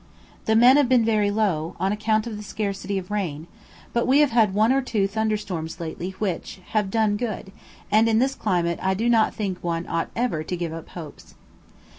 The men have been very low, on account of the scarcity of rain; but we have had one or two thunder storms lately which, have done good, and in this climate I do not think one ought ever to give up hopes.